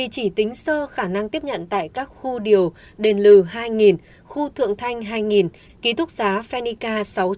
có khả năng tiếp nhận tại các khu điều đền lừ hai khu thượng thanh hai ký thúc giá phenica sáu trăm linh